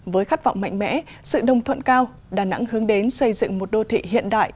với khát vọng mạnh mẽ sự đồng thuận cao đà nẵng hướng đến xây dựng một đô thị hiện đại